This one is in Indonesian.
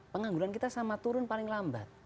pengangguran kita sama turun paling lambat